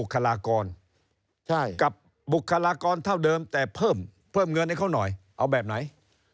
คลากรกับบุคลากรเท่าเดิมแต่เพิ่มเงินให้เขาหน่อยเอาแบบไหน